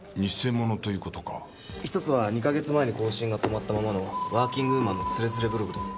１つは２カ月前に更新が止まったままの「ワーキングウーマンの徒然ブログ」です。